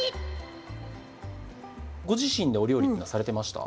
ご自身でお料理っていうのはされてました？